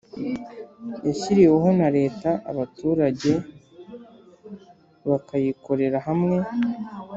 yashyiriweho na leta, abaturage bakayikorera hamwe